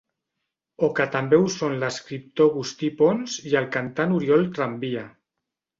O que també ho són l'escriptor Agustí Pons i el cantant Oriol Tramvia.